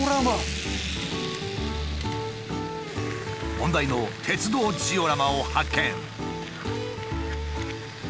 問題の鉄道ジオラマを発見！